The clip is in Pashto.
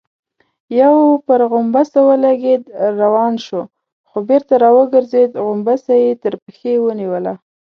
يو پر غومبسه ولګېد، روان شو، خو بېرته راوګرځېد، غومبسه يې تر پښې ونيوله.